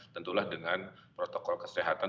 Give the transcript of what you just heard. tentulah dengan protokol kesehatan